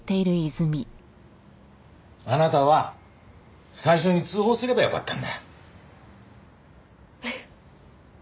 あなたは最初に通報すればよかったんだ。